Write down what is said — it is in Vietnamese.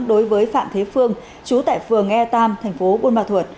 đối với phạm thế phương trú tại phường e ba thành phố buôn ma thuột